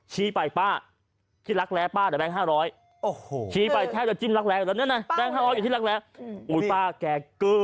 ชี้ไปป้ากี่รักแร้ป้าเดี๋ยวแบงค์๕๐๐